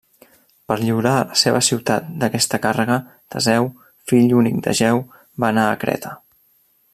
Per lliurar la seva ciutat d'aquesta càrrega, Teseu, fill únic d'Egeu, va anar a Creta.